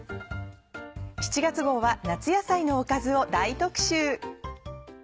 ７月号は夏野菜のおかずを大特集。